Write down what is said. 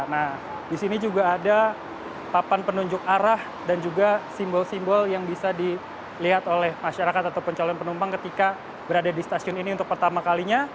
nah di sini juga ada papan penunjuk arah dan juga simbol simbol yang bisa dilihat oleh masyarakat ataupun calon penumpang ketika berada di stasiun ini untuk pertama kalinya